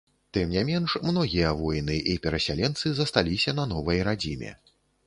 Тым не менш, многія воіны і перасяленцы засталіся на новай радзіме.